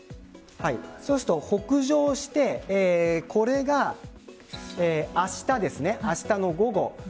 そうすると北上してこれが明日の午後。